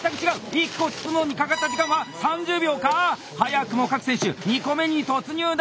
１個包むのにかかった時間は３０秒か⁉早くも各選手２個目に突入だ！